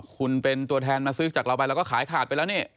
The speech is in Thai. คุณเป็นตัวแทนมาซื้อจากเราไปเราก็ขายขาดไปแล้วนี่